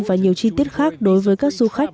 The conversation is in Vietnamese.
và nhiều chi tiết khác đối với các du khách